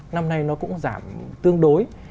năm nay nó cũng giảm tương đối